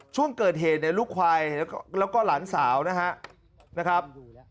ช่วงเกิดเหตุเนี่ยลูกควายแล้วก็หลานสาวนะครับ